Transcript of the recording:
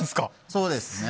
そうですね。